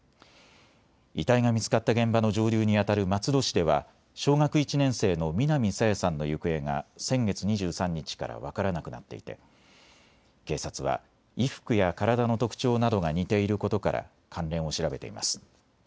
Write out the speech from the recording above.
遺体が見つかった現場の上流にあたる松戸市では小学１年生の南朝芽さんの行方が先月２３日から分からなくなっていて警察は衣服や体の特徴などが似ていることから関連を調べています。